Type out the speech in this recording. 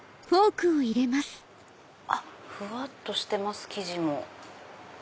あっふわっとしてます生地も。